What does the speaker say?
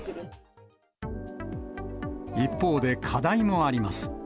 一方で、課題もあります。